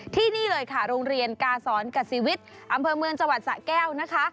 ที่นี่เลยค่ะโรงเรียนกาศรกษีวิทย์อำเภอเมืองจังหวัดสะแก้วนะคะ